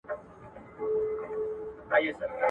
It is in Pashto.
اودس دي وکړي او بيا دي بيده سي.